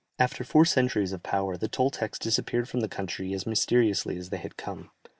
After four centuries of power, the Toltecs disappeared from the country as mysteriously as they had come.